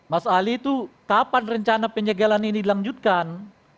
mas ali itu kapan rencana penyegelan ini dilanjutkan